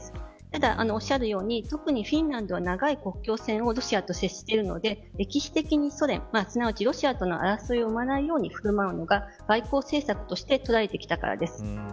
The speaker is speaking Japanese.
ただ、おっしゃるようにフィンランドは特に長い国境線をロシアと接しているので歴史的に、ソ連やロシアとの争いを生まないようにしていたのが外国政策として捉えてきたからです。